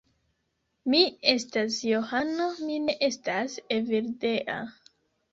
Mi estas Johano, mi ne estas Evildea.